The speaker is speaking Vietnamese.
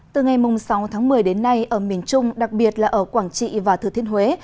từ ngày sáu tháng một mươi đến nay ở miền trung đặc biệt là ở quảng trị và thừa thiên huế